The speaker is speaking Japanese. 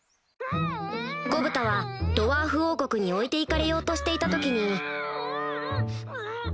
ゴブタはドワーフ王国に置いて行かれようとしていた時にん！